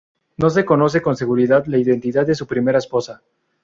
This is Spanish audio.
No se conoce con seguridad la identidad de su primera esposa.